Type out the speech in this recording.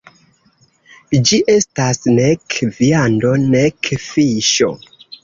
Ĝi estas nek viando, nek fiŝo.